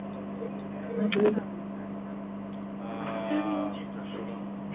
La guarnición británica se rindió al día siguiente.